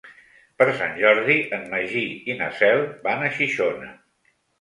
Per Sant Jordi en Magí i na Cel van a Xixona.